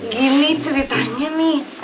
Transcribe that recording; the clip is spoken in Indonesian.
gini ceritanya nih